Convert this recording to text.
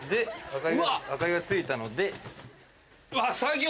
明かりがついたので。